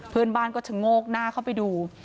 เพื่อนบ้านก็ชะโงกหน้าเข้าไปดู